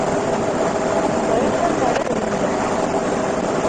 Bɣiɣ lemmer ad lemdeɣ.